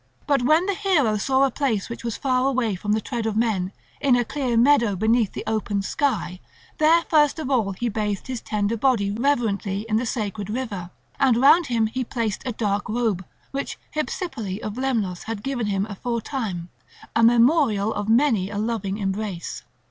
But when the hero saw a place which was far away from the tread of men, in a clear meadow beneath the open sky, there first of all he bathed his tender body reverently in the sacred river; and round him he placed a dark robe, which Hypsipyle of Lemnos had given him aforetime, a memorial of many a loving embrace.